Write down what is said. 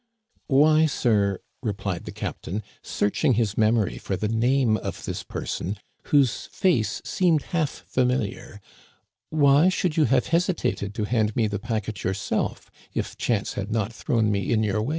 " Why, sir," replied the captain, searching his mem ory for the name of this person, whose face seemed half familiar, "why should you have hesitated to hand me the packet yourself if chance had not thrown me in your way?"